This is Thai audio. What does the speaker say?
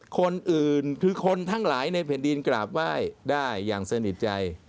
คนอื่นคือคนทั้งหลายในแผ่นดินกราบไหว้ได้อย่างสนิทใจ